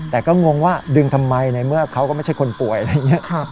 แต่ก็งงว่าดึงทำไมในเมื่อเขาก็ไม่ใช่คนป่วยอะไรอย่างนี้